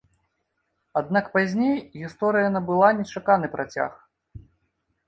Аднак пазней гісторыя набыла нечаканы працяг.